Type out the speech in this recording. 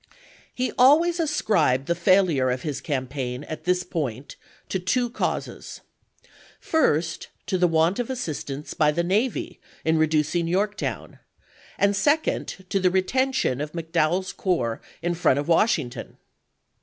He always ascribed the failure of his campaign at this point to two causes : first, to the want of assistance by the navy in reducing Yorktown, and second, to the retention of McDowell's corps in front of Washington.